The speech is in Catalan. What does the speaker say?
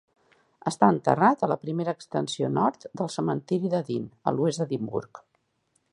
Està enterrat a la primera extensió nord del Cementiri de Dean a l'oest d'Edimburg.